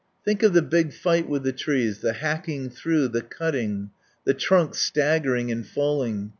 Think of the big fight with the trees, the hacking through, the cutting. The trunks staggering and falling.